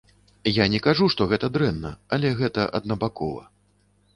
Я не кажу, што гэта дрэнна, але гэта аднабакова.